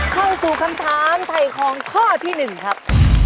เข้าสู่คำถามไทยคลองข้อที่หนึ่งครับ